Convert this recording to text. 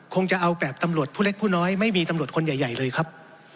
คงจะเอาแบบตำรวจผู้เล็กผู้น้อยไม่มีตำรวจคนใหญ่เลยครับ